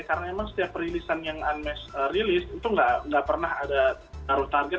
karena emang setiap perilisan yang unmesh rilis itu gak pernah ada taruh target